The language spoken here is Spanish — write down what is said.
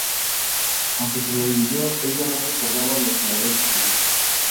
Aunque sobrevivió, ella no recordaba lo que le había sucedido.